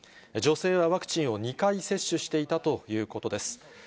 女性はワクチンを２回接種していたということです。